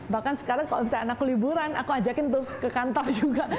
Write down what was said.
bahkan sekarang kalau misalnya anak liburan aku ajakin tuh ke kantor juga